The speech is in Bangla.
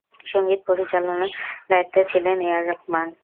সঙ্গীত পরিচালনার দায়িত্বে ছিলেন এ আর রহমান।